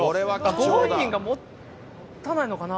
ご本人が持たないのかな？